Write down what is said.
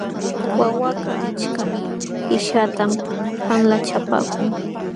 Wawakaq achka qishatam qanlachapaakun.